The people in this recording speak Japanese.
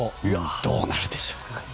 どうなるんでしょうか。